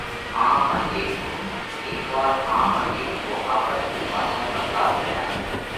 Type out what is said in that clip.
ۿاپ ان ڏيڏڪو:هيڪ وار ۿاپ ان ڏيڏڪو آپت ۾ واتون ڪرتات ريا۔